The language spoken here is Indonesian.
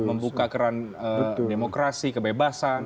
membuka keran demokrasi kebebasan